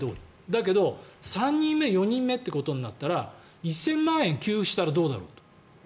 だけど３人目、４人目となったら１０００万円給付したらどうだろうと。